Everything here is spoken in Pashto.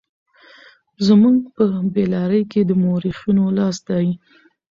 زموږ په بې لارۍ کې د مورخينو لاس دی.